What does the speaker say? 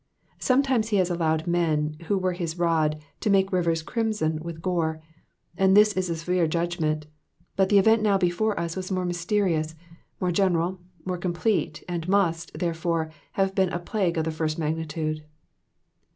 Sometimes he has allowed men, who were his rod, to make rivers crimson with gore, and this is a severe judgment ; but the event now before us was more mysterious, more general, more complete, and must, therefore, have been a plague of the first magnitude.